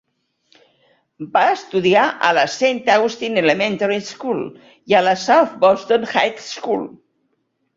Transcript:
Va estudiar a la Saint Augustine Elementary School i a la South Boston High School.